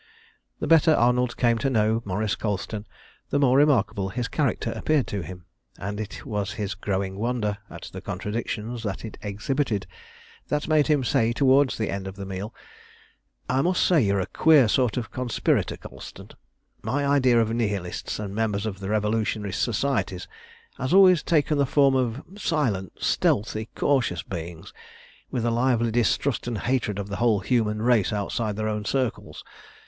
The better Arnold came to know Maurice Colston the more remarkable his character appeared to him; and it was his growing wonder at the contradictions that it exhibited that made him say towards the end of the meal "I must say you're a queer sort of conspirator, Colston. My idea of Nihilists and members of revolutionary societies has always taken the form of silent, stealthy, cautious beings, with a lively distrust and hatred of the whole human race outside their own circles.